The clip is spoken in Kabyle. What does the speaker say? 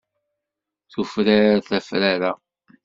Tufrar tafrara.